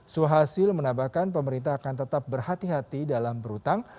suhasil menambahkan pemerintah akan tetap berhati hati dalam berhutang